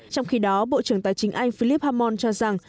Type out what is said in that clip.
trong khi đó bộ trưởng tài chính anh philip hammond cho rằng